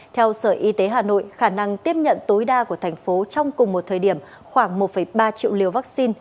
theo sở y tế hà nội khả năng tiếp nhận tối đa của thành phố trong cùng một thời điểm khoảng một ba triệu liều vaccine